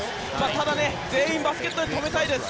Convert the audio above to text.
ただ、全員バスケットで止めたいです。